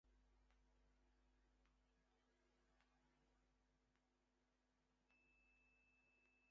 The artist achieved particular expressiveness in still life, his favourite genre.